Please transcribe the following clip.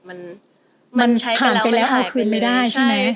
มันมันผ่านไปแล้วเอาคืนไม่ได้ใช่ไหม